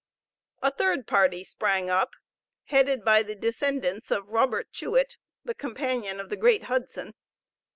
A third party sprang up, headed by the descendants of Robert Chewit, the companion of the great Hudson.